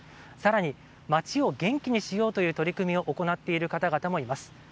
更に町を元気にしようという取り組みを行っている方々もいます。